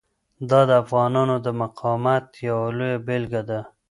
دا د افغانانو د مقاومت یوه لویه بیلګه ده.